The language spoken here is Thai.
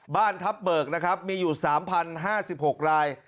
บ้านทัพเบิกนะครับมีอยู่๓๐๕๖ราย